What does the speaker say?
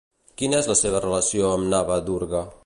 Quina és la seva relació amb Navadurga?